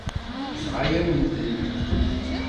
Yenɣa-yawen-tent.